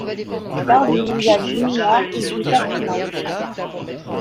Lors du mondial junior, il joue quatre matchs.